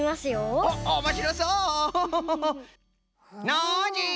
ノージー！